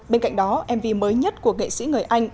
bên cạnh đó mv mới nhất của nghệ sĩ người anh